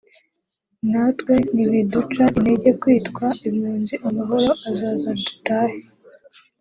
natwe ntibiduca intege kwitwa impunzi amahoro azaza dutahe